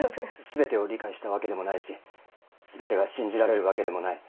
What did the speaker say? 全てを理解したわけでもないし全てが信じられるわけでもない。